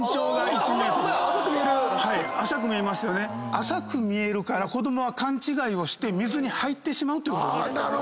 浅く見えるから子どもは勘違いをして水に入ってしまうということで。